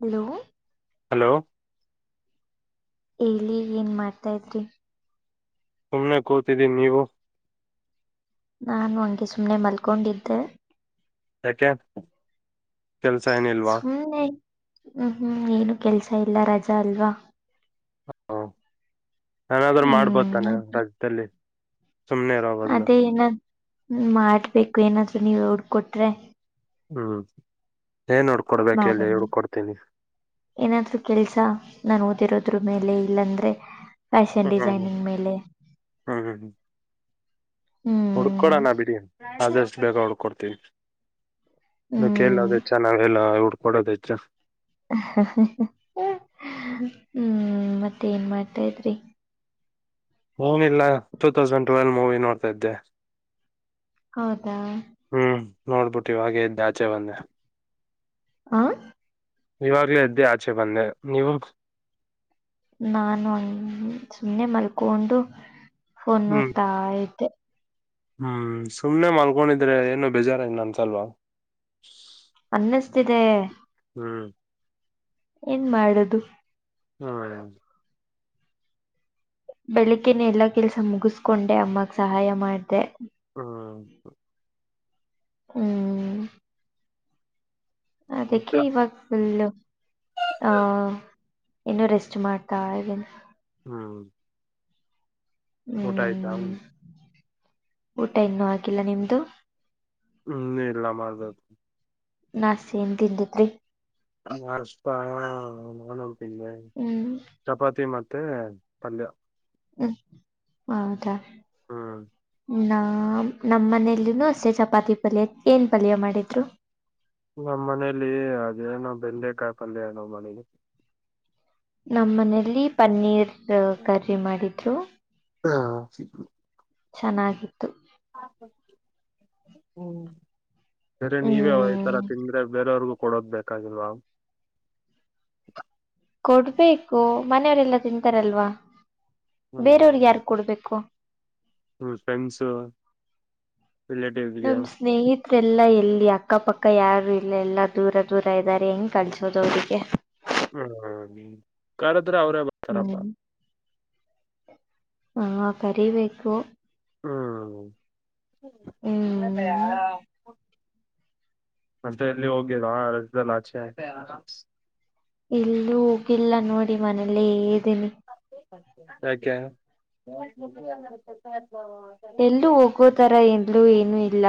Hello hello ಎಲ್ಲಿ ಏನ್ ಮಾಡ್ತಾ ಇದ್ರಿ ಸುಮ್ನೆ ಕೂತಿದ್ದೀ ನೀವು ನಾನು ಹಂಗೆ ಸುಮ್ಮ್ನೆ ಮಲ್ಕೊಂಡಿದ್ದೆ ಹಕೆ ಸುಮ್ಮ್ನೆ ಹ್ಮ್ ಹ್ಮ್ ಏನು ಕೆಲ್ಸ ಇಲ್ಲ ರಜಾ ಅಲ್ವಾ ಹ ನಾನಾದ್ರೂ ಹ್ಮ್ ಮಾಡ್ಬೋದತಾನೆ ರಾಜದಲ್ಲಿ ಸುಮನೆರಬಲ್ಲ ಹ್ಮ ಮಾಡ್ಬೇಕು ಏನಾದ್ರು ನೀವ ಹೋಡ್ಕೊಟ್ರೆ ಹ್ಮ್ ಏನ್ ನೋಡ್ಕೊಡ್ಬೇಕ ಎಲ್ಲಿ ಮಾಡೋಣ ಹುಡ್ಕೊಡ್ತೀನಿ ಏನಾದ್ರು ಕೆಲ್ಸ ನಾನು ಓದಿರೋದ್ರ ಮೇಲೆ ಇಲ್ಲಾಂದ್ರೆ ಫ್ಯಾಷನ್ ಹ್ಮ್ ಹ್ಮ್ ಡಿಸೈನಿಂಗ್ ಮೇಲೆ ಹ್ಮ್ ಹ್ಮ್ ಹ್ಮ್ ಹುಡ್ಕೊಡೋಣ ಬಿಡಿ ಆದಷ್ಟು ಬೇಗ ಹುಡ್ಕೊಡ್ತೀವಿ ನ ಹ್ಮ್ ಕೇಳದ ಹೆ ಚ ನಾವ್ಲ್ಲ ಹಡ್ಕೊಡೋದು ಹೆಚ್ಚ ಹ್ಮ್ ಮತ್ತೆ ಏನ್ ಮಾಡ್ತಾ ಇದ್ರಿ ನಿಲ್ಲ ಟೂ ತೌಸಂಡ್ ಟ್ವೆಲ್ವ ಮೂವಿ ನೋಡ್ತಾ ಇದ್ದೆ ಹೌದಾ ಹ್ಮ್ ನೋಡ್ಬಿಟ್ಟು ಇವಾಗೆ ಇದ್ದ ಆಚೆ ಬಂದೆ ಆ ಇವಾಗ್ಲ ಇದದ್ದೆ ಆಚೆ ಬಂದೆ ನೀವು ನಾನು ಒಂದ ಸುಮ್ಮನೆ ಮಲ್ಕೊಂಡು ಫೋನ್ ಹ್ಮ್ ನೋಡ್ತಾ ಇದ್ದೆ ಹ್ಮ್ ಸುಮ್ನೆ ಮಲ್ಕೊಂಡಿದ್ರೆ ಏನು ಬೇಜಾರ ಇಲ್ಲ ಅಸಲ್ವ ಅನ್ನಿಸ್ತಿದೆ ಹ್ಮ್ ಏನ್ ಮಾಡದು ಹ್ಮ್ ಬೆಳಿಗ್ನ ಎಲ್ಲಾ ಕೆಲ್ಸ ಮುಗಿಸಕೊಂಡೆ ಅಮ್ಮಗ್ ಸಹಾಯ ಮಾಡ್ದ ಹ್ಮ್ ಹ್ಮ್ ಅದಕ್ಕೆ ಮತ್ತೆ ಇವಾಗಲ್ಲು ಹ ಇನ್ನುೂ ರೆಸ್ಟ್ ಮಾಡ್ತಾ ಹಾಗ ಹ್ಮ್ ಊಟ ಆಯ್ತಾ ಹ್ಮ್ ಊಟ ಇನ್ನೂ ಆಗಿಲ್ಲ ನಿಮ್ದು ಹ್ಮ್ ಇನ್ನು ಇಲ್ಲ ಮಾಡಬೇಕು ನಾ ಸನ್ ತಿಂದಿದ್ರಿ ಷ್ಟ ನಾನುಡ್ತೀ ಹ್ಮ್ ಚಪಾತಿ ಮತ್ತ ಮತ್ತೆ ಪಲ್ಯ ಹ್ಮ್ ಹೌದಾ ಹ್ಮ್ ನ ನಮ್ಮ ಮನೇಲ್ಲ ಅಸೆ ಚಪಾತಿ ಪಲ್ಯ ಏನ್ ಪಲ್ಯ ಮಾಡಿದ್ರು ನಮ್ಮ್ ಮನೇಲಿ ಅದೇ ನಾ ಬೆಲ್ಲೆಕಾಯಿ ಪಲ್ಯ ನವ್ ಮನಲಿ ನಮ್ಮ ಮನೇಲಿ ಪನ್ನೀರ್ ಕರ್ರ ಮಾಡಿದ್ರು ಹಾ ಚೆನ್ನಾಗಿತ್ತು ಹ್ಮ ಸರಿ ನೀವೇ ಈತರ ಹ್ಮ್ ತಿಂದ್ರೆ ಬೇರೆಯವ್ರಗು ಕೊಡೋದ್ ಬೇಕಾಗಿಲ್ವಾ ಕೊಡ್ಬೇಕು ಮನೆಯವರೆಲ್ಲಾ ತಿಂತಾರಲ್ವಾ ಬೇರೆಯವ್ರಿಗೆ ಯಾರಿಗ ಕೊಡ್ಬೇಕು. ಹ್ಮ ಫ್ರೆಂಡ್ಸು. ನಮ್ಮ ಸ್ನೇಹಿತ್ರ ಎಲ್ಲಾ ಎಲ್ಲಿ ಈ ಅಕ್ಕಪಕ್ಕ ಯಾರು ಇಲ್ಲ ಇಲ್ಲಾ ದೂರ ದೂರ ಇದಾರೆ ಹೆಂಗ್ ಕಳ್ಸೋದು ಅವರಿಗೆ? ಹ್ಮ್ ಹು ಕರದ್ರೆ ಅವ್ರೇ ಬತಾರಪ್ಪ. ಹ್ಮ್ ಹಾ ಕರಿಬೇಕು. ಹ್ಮ್. ಹ್ಮ್ ಮತ್ತೆ ಎಲ್ಲಿ ಹೋಗಿಲ್ವ ರಜೆಯಲ್ಲಿ ಆಚೆ. ಎಲ್ಲೂ ಹೋಗಿಲ್ಲ ನೋಡಿ ಮನೇಲೆ ಇದೀನಿ. ಯಾಕೆ? ಎಲ್ಲೂ ಹೋಗೋತರ ಎನ್ಲೂ ಏನು ಇಲ್ಲ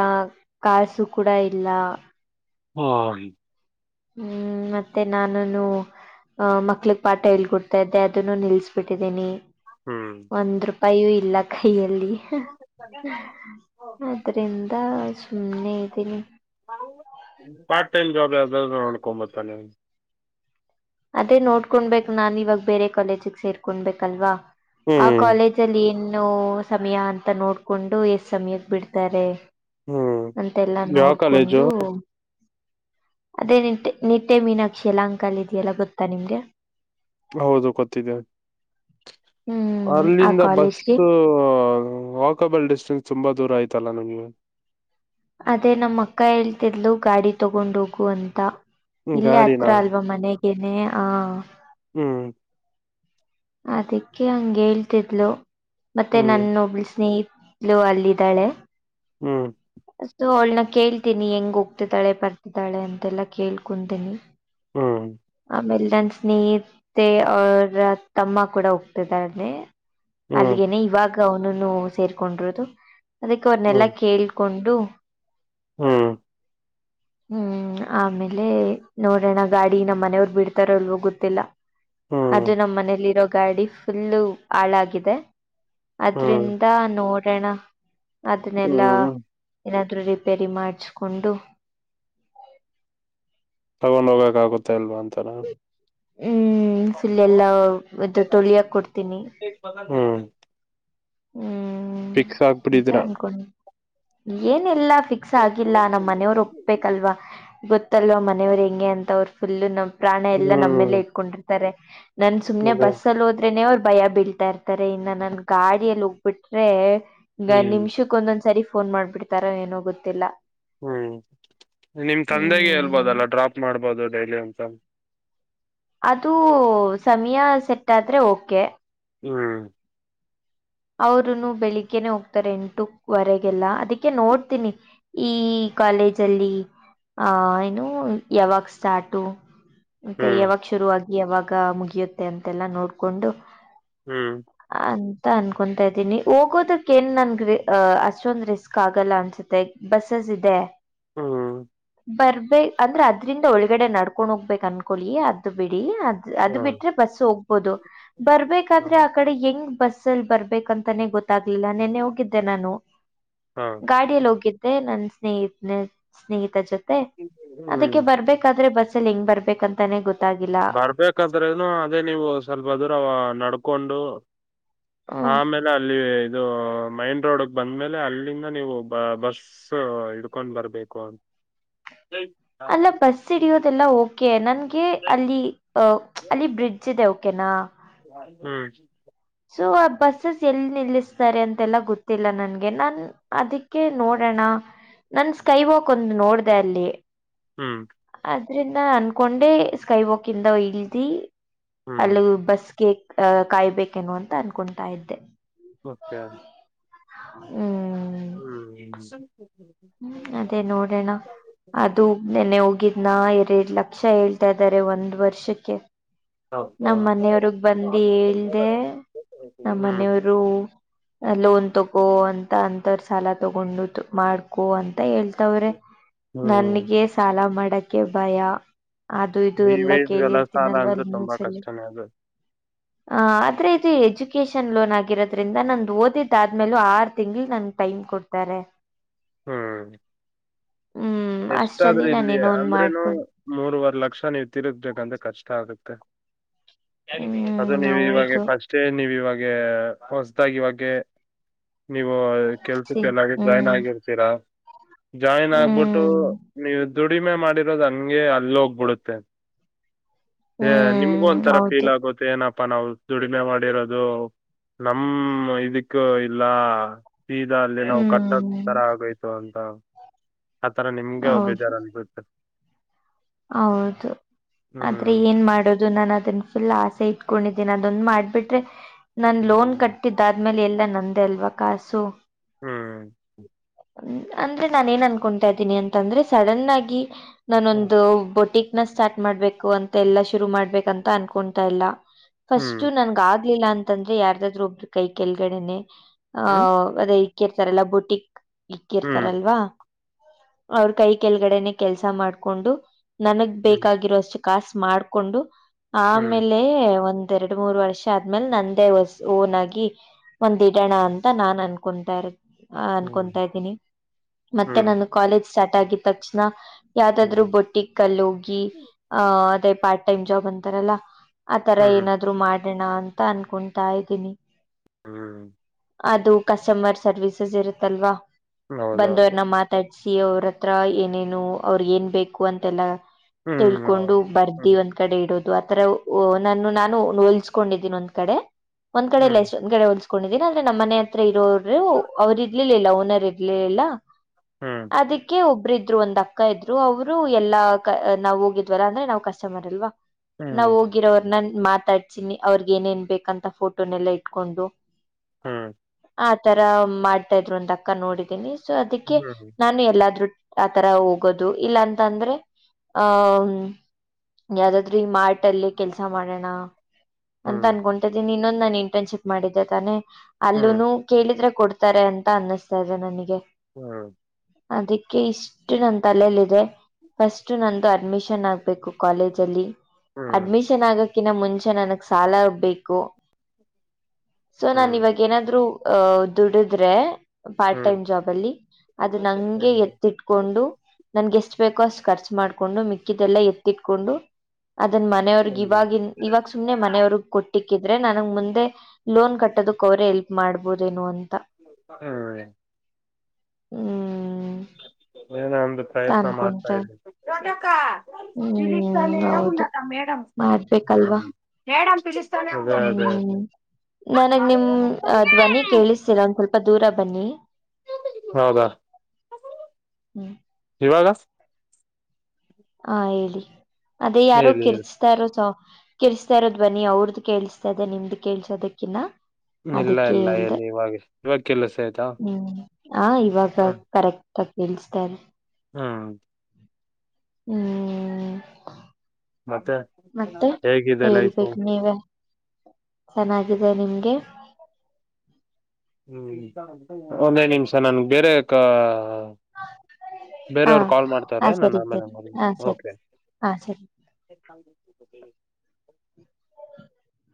ಕಾಸು ಕೂಡ ಇಲ್ಲ. ಹ್ಮ. ಹ್ಮ್ ಮತ್ತೆ ನಾನನು. ಹ್ಮ ಮಕ್ಳಗ್ ಪಾಠ ಹೇಳಿಕೊಡ್ತಾ ಇದ್ದೆ ಅದನ್ನು ನಿಲ್ಸ್ಬಿಟ್ಟಿದ್ದೀನಿ. ಹ್ಮ್. ಪೈಯೂ ಇಲ್ಲ ಕೈಯಲ್ಲಿ. ಅದ್ರಿಂದ ಸುಮ್ಮ್ನೆ ಇದ್ದೀನಿ. ಪಾರ್ಟ್ ಟೈಮ್ ಜಾಬ್ ಯಾವ್ದಾದ್ರೂ ನೋಡ್ಕೊಂಬತ್ತಾನೆ. ಅದೇ ನೋಡ್ಕೊಂಡ್ ಬೇಕ ನಾನ್ ಇವಾಗ ಬೇರೆ ಕಾಲೇಜಿಗೆ ಸೇರ್ಕೊಬೇಕಲ್ವಾ. ಆ ಹ್ಮ್ ಕಾಲೇಜ ಅಲ್ಲಿ ಏನು ಸಮಯ ಅಂತ ನೋಡ್ಕೊಂಡು ಎಷ್ಟ ಸಮಯಕ್ ಬಿಡ್ತಾರೆ. ಹ್ಮ್ ಅಂತೆಲ್ಲಾ ಯಾವ ಕಾಲೇಜು ನೋಡ್ಕೊಂಡು. ಅದೇ ನಿಟ್ಟೆ ನಿಟ್ಟೆ ಮೀನಾಕ್ಷಿ ಯಲಹಂಕಲ್ಲಿ ಇದೆಯಲ್ಲ ಗೊತ್ತಾ ನಿಮ್ಗೆ. ಹೌದು ಗೊತ್ತಿದೆ ಹ್ಮ್ ಆ ಅಲ್ಲಿಂದ ಕಾಲೇಜ್ಗೆ ಬಸ್ಸು ಹ ವಾಕೇಬಲ್ ಡಿಸ್ಟೆನ್ಸ್ ತುಂಬಾ ದೂರ ಆಯ್ತಲ್ಲಾ ನಮ್ಗೆ. ಅದೇ ನಮ್ಮ ಅಕ್ಕ ಹೇಳ್ತಿದ್ಲು ಗಾಡಿ ತಗೊಂಡೋಗು ಅಂತ. ಹ್ಮ್ ಇಲ್ಲೇ ಹತ್ರ ಗಾಡಿನಾ ಅಲ್ವಾ ಮನೆಗೇನೆ ಆ. ಹ್ಮ್ ಅದಕ್ಕೆ ಹಂಗ ಹೇಳ್ತಿದ್ಲು ಮತ್ತೆ ಹ್ಮ್ ನನ್ನೊಬ್ಳ ಸ್ನೇಹಿತ ಲೋ ಅಲ್ಲಿದ್ದಾಳೆ. ಹ್ಮ್. ಸೊ ಅವಳನ್ನ ಕೇಳ್ತೀನಿ ಹೆಂಗ್ ಹೋಗ್ತಿದ್ದಾಳೆ ಬರ್ತಿದ್ದಾಳೆ ಅಂತೆಲ್ಲ ಕೇಳ್ಕೊಂತೀನಿ. ಹ್ಮ್. ಆಮೇಲ್ ನನ್ ಸ್ನೇಹಿತೆ ಅವರ ತಮ್ಮ ಕೂಡ ಹೋಗ್ತಿದಾನೆ. ಹ್ಮ್ ಅಲ್ಲಿಗೆೇನೆ ಇವಾಗ ಅವನುನು ಸೇರ್ಕೊಂಡಿರರುದು ಅದಕ್ಕೆ ಅವ್ರನ್ನೆಲ್ಲಾ ಹ್ಮ್ ಕೇಳ್ಕೊಂಡ್ ಡು. ಹ್ಮ್. ಹ್ಮ್ ಆಮೇಲೆ ನೋಡೋಣ ಗಾಡಿ ನಮ್ಮ್ ಮನೆಯವರು ಬಿಡ್ತಾರ ಇಲ್ಲೋ ಗೊತ್ತಿಲ್ಲ. ಹ್ಮ್ ಅದು ಹ್ಮ್ ನಮ್ಮ್ ಮನೆಯಲ್ಲಿ ಇರೋ ಗಾಡಿ ಫುಲ್ಲು ಹಾಳಾಗಿದೆ. ಹ್ಮ್ ಅದ್ರಿಂದ ನೋಡೋಣ ಅದನ್ನೆಲ್ಲಾ ಏನಾದ್ರು ರಿಪೇರಿ ಮಾಡಿಸಿಕೊಂಡು ತಗೊಂಡ್ ಹೋಗಕ್ ಆಗುತ್ತ ಇಲ್ವಾ ಅಂತನಾ ಹ್ಮ್ ಫುಲ್ ಎಲ್ಲಾ ಇದು ತೊಳಿಯಕ್ ಕೊಡ್ತೀನಿ. ಹ್ಮ್ ಹ್ಮ್ ಫಿಕ್ಸ್ ಅಂತ ಆಗ್ಬಿಟ್ಟಿದೀರ ಅನ್ಕೊಂಡಿನಿ. ಏನಿಲ್ಲ ಫಿಕ್ಸ್ ಆಗಿಲ್ಲ ನಮ್ಮ್ ಮನೆಯವರು ಒಪ್ಬೇಕಲ್ವಾ ಗೊತ್ತಲ್ವಾ ಮನೆಯವರು ಹೆಂಗೆ ಅಂತಾ ಫುಲ ಎಲ್ಲಾ ನಮ್ಮ ಪ್ರಾಣ ಎಲ್ಲ ಹ್ಮ್ ನಮ್ಮೇಲೆ ಇಟ್ಕೊಂಡಿರ್ತಾರೆ. ನಾನ್ ಸುಮ್ಮನೆ ಅದೇ ಬಸ್ಸಲ್ಲಿ ಹೋದ್ರೆನೆ ಅವ್ ಭಯ ಬೀಳ್ತಾ ಇರ್ತಾರೆ ಇನ್ನ ನನ್ ಗಾಡಿಯಲ್ಲಿ ಹೋಗ್ಬಿಟ್ರೆ ಹ್ಮ್ ನಿಮಿಷಕ್ಕ ಒಂದೊಂದ ಸಾರಿ ಫೋನ್ ಮಾಡ್ಬಿಡ್ತಾರೋ ಏನೋ ಗೊತ್ತಿಲ್ಲ. ಹ್ಮ್ ನಿಮ್ಮ ತಂದೆಗೆ ಹ್ಮ್ ಹೇಳ್ಬೋದಲ್ಲ ಡ್ರಾಪ್ ಮಾಡ್ಬೋದು ಡೈಲಿ ಅಂತ. ಅದು ಸಮಯ ಸೆಟ್ ಆದ್ರೆ ಓಕೆ. ಹ್ಮ್. ಅವರುನು ಬೆಳಿಗ್ನೆ ಹೋಗ್ತಾರೆ ಎಂಟುವರೆಗೆಲ್ಲ ಅದಕ್ಕೆ ನೋಡ್ತೀನಿ ಈ. ಕಾಲೇಜ್ ಅಲ್ಲಿ ಆಹ ಏನು ಯಾವಾಗ ಸ್ಟಾರ್ಟು. ಮತ್ತೆ ಹ್ಮ್ ಯಾವಾಗ ಶುರುವಾಗಿ ಯಾವಾಗ ಮುಗಿಯುತ್ತೆ ಅಂತೆಲ್ಲಾ ನೋಡ್ಕೊಂಡು. ಹ್ಮ್. ಕೊತಾ ಇದ್ದೀನಿ ಹೋಗೋದಕ್ಕ ಏನ್ ನನ್ ಅ ಅಷ್ಟೊಂದ್ ರಿಸ್ಕ್ ಆಗಲ್ಲ ಅನ್ಸುತ್ತೆ ಬಸ್ಸಸ್ ಇದೆ. ಹ್ಮ್. ಬರ್ಬೇಕೇ ಅಂದ್ರೆ ಅದ್ರಿಂದ ಒಳಗಡೆ ನಡ್ಕೊಂಡ್ ಹೋಗ್ಬೇಕು ಅನ್ಕೊಳ್ಳಿ ಅದು ಬಿ. ಅ ಹ್ಮ್ ಅದು ಹ್ಮ್ ಬಿಟ್ರೆ ಬಸ್ ಹೋಗ್ಬೋದು ಬರ್ಬೇಕಾದ್ರೆ ಆ ಕಡೆ ಹೆಂಗ್ ಬಸ್ ಅಲ್ಲಿ ಬರ್. ಬೇಕಂತಾನೆ ಗೊತ್ತಾಗ್ಲಿಲ್ಲ ನಿೆನ್ನೆ ಹೋಗಿದ್ದೆ ನಾನು ಹಾ ಗಾಡಿಯಲ್ಲಿ ಹೋಗಿದ್ದೆ. ನನ್ನ ಸ್ನೇಹತ್ ಸ್ನೇಹಿತ ಜೊತೆ ಹ್ಮ್ ಅದಕ್ಕೆ ಬರ್ಬೇಕಾದ್ರೆ ಬಸ್. ಿಂಗ ಬರ್ಬೇಕ ಅಂತಾನೆ ಗೊ. ಬರ್ಬೇಕಾದ್ರನು ಅದೇ ನೀವು ಸ್ವಲ್ಪದರ ನಡ್ಕೊಂಡು. ಹ್ಮ್ ಆಮೇಲೆ ಅಲ್ಲಿ. ಇದು ಮೈನ್ ರೋಡ್ಗ್ ಬಂದ್ಮೇಲೆ ಅಲ್ಲಿಂದ ನೀವು ಬ ಬಸ್ ಇಡ್ಕೊಂಡ್ ಬರ್ಬೇಕು ಅಂತ. ಹ. ಅಲ್ಲ ಬಸ್ ಹಿಡಿಯೋದೆಲ್ಲ ಓಕೆ ನನ್ಗೆ. ಅಲ್ಲಿ ಅ ಅಲ್ಲಿ ಬ್ರಿಡ್ಜ್ ಇದೆ ಓಕೆನಾ. ಹ್ಮ್. ಸೊ ಆ ಬಸ್ಸಸ್ ಎಲ್ಲಿ ನಿಲ್ಲಿಸ್ತಾರೆ ಅಂತೆಲ್ಲ ಗೊತ್ತಿಲ್ಲ ನನ್ಗೆ ನಾನ್ ಅದಕ್ಕೆ ನೋಡೋಣ. ನನ್ ಸ್ಕೈವಾಾಕ್ ಒಂದು್ ನೋಡ್ದ ಅಲ್ಲಿ. ಹ್ಮ್. ಅದ್ರಿಂದ ಅನ್ಕೊಂಡೆ ಸ್ಕೈವಾಾಕ್ ಇಂದ ಇಲ್ದಿ ಹ್ಮ್ ಅಲ್ಲಿ ಬಸ್ಗೆ. ಅಹ ಕಾಯ್ಬೇಕೇನು ಅಂತ ಅನ್ಕೊತಾ ಇದ್ದೆ. ಓಕೆ. ಹ್ಮ್. ಹ್ಮ ಅದೇ ನೋಡೋಣ ಅದು ನೆನೆ ಹೋಗಿದ್ನ ಎರರಡ್ ಲಕ್ಷ. ಹೇಳ್ತಾ ಇದ್ದಾರೆ ಒಂದ್ ವರ್ಷಕ್ಕೆ. ನಮ್ಮ ಮನೆಯವ್ರಗ್ ಬಂದು ಹೇಳಳ್್ದ ನಮ್ಮ ಹ್ಮ್ ಮನೆಯವರು. ಲೋನ್ ತಗೋ ಅಂತ ಅಂತರ್ ಸಾಲ ತಗೊಂಡು ಮಾಡ್ಕೊ ಅಂತ. ಮತ್ತ ಹೇಳ್ತವ್ರೆ ಹ್ಮ್ ನನ್ಗೆ ಸಾಲ ಮಾಡಕ್ಕೆ ಭಯ. ಅದು ಇದು ಈ ಎಲ್ಲಾ ವಯಸ್ಗೆಲ್ಲ ಸಾಲ ಅಂದ್ರೆ ಕೇಳಿರ್ತೀನಲ್ವಾಲ್ಲಿ ತುಂಬಾ ನ್ಯೂಸಲ್ಲಿ. ಕಷ್ಟನೇ ಅದು ಹ ಆದ್ರೆ ಇದು ಎಜು. ಎುಕೇಶನ್ ಲೋನ್ ಆಗಿರೋದ್ರಿಂದ ನಂದು ಓದಿದ್ದಾದ್ಮೇಲ ಆರು ತಿಂಗ್ಗಳು ನನ್ ಟೈಮ್ ಕೊಡ್ತಾರೆ. ಹ್ಮ್. ಹ್ಮ್ ಅಷ್ಟಲ್ಲಿ ಎಷ್ಟಾದ್ರರು ನಾನ ಇಲ್ಲಿ ಏನೋ ಒಂದ್ ಅಂದ್ರೇನು ಮಾಡ್ಕೊಂಡ್ ಮೂರವರೆ ಲಕ್ಷ ನೀವ್ ತಿರುಗ್ಬೇಕಂದ್ರೆ ಕಷ್ಟ ಆಗುತ್ತೆ. ಅದು ಹ್ಮ್ ನೀವು ಇವಾಗೆ ಹೌದು ಫಸ್ಟ್ ನೀವು ಇವಾಗ. ಹೊಸದಾಗಿ ಇವಾಗೆ. ನೀವು ಸಿ ಕೆಲ್ಸಕ್ಕೆ ಎಲ್ಲಾಗಿ ಜಾಯ್ನ್ ಹ್ಮ್ ಆಗಿರ್ತೀರಾ. ಜಾಯಿನ್ ಆಗ್ಬಿಟ್ಟು ಹ್ಮ್ ನೀವು ದುಡಿಮೆ ಮಾಡಿರೋದು ಹಂಗೆ ಅಲ್ಲ ಹೋಗ್ಬಿಡುತ್ತೆ. ಹ ನಿಮ್ಗೂ ಹ್ಮ್ ಒಂಥರ ಹೌದು ಫೀಲ್ ಆಗುತ್ತೆ ಏನಪ್ಪ. ಅಪ್ಪ ನಾವು ದುಡಿಮೆ ಮಾಡಿರೋದು ನಮ್ಮ ಇದಕ್ಕೂ ಇಲ್ಲ. ಸೀದ ಅಲ್ಲಿ ನಾವು ಕಟ್ಟೋದ ಹ್ಮ್ ತರ ಆಗೋಯ್ತು ಅಂತ. ಆ ತರ ನಿಮ್ಗೆ ಹೌದು ಬೇಜಾರ ಅತರ್. ಹೌದು ಆದ್ರೆ ಹ್ಮ್ ಏನ್ ಮಾಡೋದು ನನ್ ಅದನ್ ಫುಲ್ ಆಸೆ. ಇಟ್ಕೊಂಡಿದ್ದೀನಿ ಅದೊಂದ್ ಮಾಡ್ಬಿಟ್ರೆ ನನ್ ಲೋನ್ ಹ್ಮ್ ಕಟ್ಟಿದ್ದ. ಆದ್ಮೇಲೆ ಎಲ್ಲಾ ನಂದ ಅಲ್ವಾ ಕಾಸು. ಹ್ಮ್. ಅಂದ್ರೆ ನಾನ ಏನ್ ಅನ್ಕೊತಾ ಇದ್ದೀನಿ ಅಂತಂದ್ರೆ ಸಡನ್ ಆಗಿ ನಾನೊಂದ. ಬೋಟಿಕ್ ನ ಸ್ಟಾರ್ಟ್ ಮಾಡ್ಬೇಕು ಅಂತ ಎಲ್ಲಾ ಶುರು ಮಾಡ್ಬೇಕಂತ ಅನ್ಕೊತಾ ಇಲ್ಲ. ಹ್ಮ್ ಫಸ್ಟ್ು ನನ್ಗ ಆಗ್ಲಿಲ್ಲ ಅಂತಂದ್ರೆ ಯಾರ್ದಾದ್ರೂ ಒಬ್ರು ಕೈ ಕೆಳಗಡೆನೆ. ಆಹ ಅದೇ ಇಕ್ಕಿರ್ತಾರಲ್ಲ ಬುಟಿಕ್ ಇಕ್ಕಿರ್ತಾರಲ್ವಾ ಅವ್ರ ಕೈ ಕೆಳಗಡೆನೆ ಕೆಲ್ಸ ಮಾಡ್ಕೊಂಡು ನನಗ್ ಬೇಕಾಗಿರೋಷ್ಟು ಕಾಸು ಮಾಡ್ಕೊಂಡು ಆಮೇಲೆ ಒಂದು ಎರಡು ಮೂರು ವರ್ಷ ಆದ್ಮೇಲೆ ನಂದೇ ಹೊಸ್ ಓನ್ ಆಗಿ ಒಂದ್ ಇಡಣ ಅಂತ ನಾನ್ ಅನ್ಕೊತಾ ಇರತ್ತೆ ಹ ಅನ್ಕೊತಾ ಇದ್ದೀನಿ ಮತ್ತೆ ನಾನು ಕಾಲೇಜ್ ಸ್ಟಾರ್ಟ್ ಆಗಿದ ತಕ್ಷಣ ಯಾವ್ದಾದ್ರು ಬೊಟಿಕ್ಲ್ಲೋಗಿ ಅಹ ಅದೇ ಪಾರ್ಟ್ ಟೈಮ್ ಜಾಬ್ ಅಂತಾರಲ್ಲ ಆತರ ಏನಾದ್ರು ಮಾಡೋಣ ಅಂತ ಅನ್ಕೊತಾ ಇದ್ದೀನಿ ಹ್ಮ್ ಅದು ಕಸ್ಟಮರ್ ಸರ್ವಿಸಸ್ ಇರುತ್ತಲ್ವಾ ಬಂದವ್ರನ್ನ ಮಾತಾಡ್ ಸಿ ಅವ್ರ ಹತ್ರ ಏನೇನು ಅವ್ರಿಗೆ ನು ಬೇಕು ಅಂತೆಲ್ಲ ತಿಳ್ಕೊಂಡು ಬರ್ದಿ ಒಂದ್ ಕಡೆ ಇಡೋದು ಆತರ ನಾನು ನಾನು ಹೋಲ್ಸಕೊಂಡಿದ್ದೀನಿ ಒಂದ್ ಕಡೆ ಒಂದ್ ಕಡೆ ಇಲ್ಲಷ್ಟ ಒಂದ್ ಕಡೆ ಹಲ್ ಕೊಂಡಿದೀನಿ ಅಂದ್ರೆ ನಮ್ಮ ಮನೆ ಹತ್ರ ಇರೋರು ಅವರು ಇರ್ಲಲಿಲ್ಲಾ ಓನರ್ ಇರ್ಲಲಿಲ್ಲ ಅದಕ್ಕೆ ಒಬ್ರು ಇದ್ರು ಒಂದ್ ಅಕ್ಕ ಇದ್ರು ಅವರು ಎಲ್ಲ ನಾವು ಹೋಗಿದ್ವಲ್ಲ ಅಂದ್ರೆ ನಾ ಕಸ್ಟಮರ್ ಅಲ್ವಾ ನಾ್ ಹೋಗಿರೋ ನಾನ್ ಮಾತಾಡ್ಸನಿ ಅವ್ರಗ ಏನೇನ್ ಬೇಕಂತ ಫೋಟೋನೆಲ್ಲಾ ಇಟ್ಕೊಂಡು ಹ್ಮ್ ಆ ತರ ಮಾಡ್ತಾ ಇದ್ರು ಅಕ್ಕ ನೋಡಿದೀನಿ ಸೊ ಅದಕ್ಕೆ ನಾನು ಎಲ್ಲಾದ್ರರು ಆತರ ಹೋಗೋದು ಇಲ್ಲಾ ಅಂತ ಅಂದ್ರೆ ಆಹ ಯಾವ್ದಾದ್ರ ಈ ಮಾಡ ಲ್ಲಿ ಕೆಲ್ಸ ಮಾಡೋಣ ಅಂತ ಅನ್ಕೊಂತಿದ್ದೀನಿ ಇನ್ನೊಂದು ನಾನು ಇಂಟರ್ನ್ಶಿಪ್ ಮಾಡಿದ್ದೆ ತಾನೆ ಅಲ್ಲೂನು ಕೇಳಿದ್ರೆ ಕೊಡ್ತಾರೆ ಅಂತ ಅನ್ನಸ್ ಇದೆ ನನಗೆ ಹ್ಮ್ ಅದಕ್ಕೆ ಇಷ್ಟು ನನ್ ತಲಲ್ಲ ಇದೆ ಫಸ್ಟ್ ನಂದು ಅಡ್ಮಿಷನ್ ಆಗ್ಬೇಕು ಕಾಲೇಜಲ್ಲಿ ಅಡ್ಮಿಷನ್ ಆಗಕಿಿನ ಮುಂಚೆ ನನಗ್ ಸಾಲಡ್ಬೇಕು ಸೊ ನಾ ಇವಾಗ ಏನಾದ್ರು ಅಹ ದುಡಿದ್ರೆ ಪಾರ್ಟ್ ಟೈಮ್ ಜಾಬ್ ಅಲ್ಲಿ ಅದು ನಂಗೆ ಎತ್ತಿಟ್ಕೊಂಡು ನಂಗೆ ಎಷ್ಟ ಬೇಕೋಷ್ಟ ಖರ್ಚು ಮಾಡ್ಕೊಂಡು ಮಿಕ್ಕಿದ್ದಲ್ಲ ಎತ್ತಿಟ್ಕೊಂಡು ಅದನ್ ಮನೆಯವ್ರಗ್ ಇವಾಗಿನ್ ಇವಾಗ ಸುಮ್ಮ್ನೆ ಮನೆಯವ್ರ ಕೊಟ್ಟಿಕ್ ಹಿದ್ರೆ ನನಗ್ ಮುಂದೆ ಲೋನ್ ಕಟ್ಟೋದಕ್ ಅವ್ರೇ ಹೆಲ್ಪ್ ಮಾಡ್ಬೋದ ನು ಅಂತ ಹ್ಮ್ ಹ್ಮ್ ನ ಪ್ರಯತ್ನ ಮಾಡ್ತಾ ಅನ್ಕೊಂತ ಇ ದಿಲಸಲ್ಲಿ ಹ ಮೇಡಮ್ ಬಲ್ವಾ ಮೇಡ್ಳ ಹ್ಮ್ ನನಗ್ ನಿಮ ಧ್ವನಿ ಕೇಳಿಸ್ತೀರ ಒಂದ್ ಸ್ವಲ್ಪ ದೂರ ಬನ್ನಿ ಹೌದಾ ಇವಾಗ ಹ ಹೇಳಿ ಅದೇ ಯಾರೋ ಹೇಳಿ ಹೇಳಿ. ಕಿರ್ತತಾ ಇಾರೋ ಸ ಕೇಳಿಸ್ತಾ ಇೋದ ನಿ ಅವ್ರದ್ದ ಕೇಳಿಸ್ತಾದೆ ನಿಮ್ದು ಕೇಳ್ಸೋದಕ್ಕಿನ್ನ ಇಲ್ಲ ಅದಕ್ಕೆ ಇಲ್ಲ ಹೇಳ್ದೆ ಎಲ್ಲಿ ಇವಾಗ ಇ ಹ್ಮ್ ಆ ಇವಾಗ ಕರೆಕ್ಟ್ ಆ ಕೇಳ್ಸ್ತಾರೆ ಹ್ಮ ಹ್ಮ್ ಮತ್ತೆ ಮತ್ತೆ ಹೇಗಿದೆ ಲೈಫು ಹೇಳ್ಬೇಕು ನೀವ ಚೆನ್ನಾಗಿದೆ ನಿಮ್ಗೆ ಹ್ಮ್ ಒಂದೇ ನಿಮಿಷ ನನ್ಗೆ ಬೇರೆಕ ಹಾ ಬೇರೆಯವರು ಕಾಲ್ ಹಾ ಮಾಡ್ತಾರೆ ನಾನ ಸರಿ ಆಮೇಲೆ ಸರಿ ಹಾ ಸರಿ ಮಾಡಕೆ ಹಾ ಸರಿ ಹ ಹ